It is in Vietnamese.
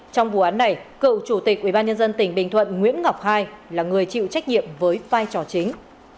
trong vụ án này cựu chủ tịch ubnd tỉnh bình thuận nguyễn ngọc hai là người chịu trách nhiệm với vai trò chính